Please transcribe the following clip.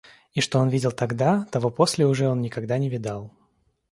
И что он видел тогда, того после уже он никогда не видал.